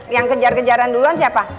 yang kejar kejaran duluan siapa